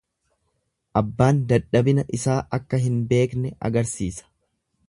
Abbaan dadhabina isaa akka hin beekne agarsiisa.